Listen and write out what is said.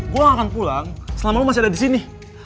gue gak akan pulang selama lo masih ada disini